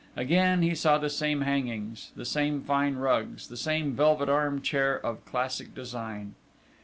Again he saw the same hangings, the same fine rugs, the same velvet arm chair of classic design.